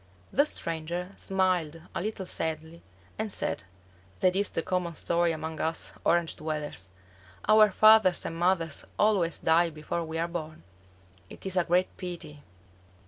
The stranger smiled a little sadly and said, "That is the common story among us Orange dwellers. Our fathers and mothers always die before we are born. It is a great pity.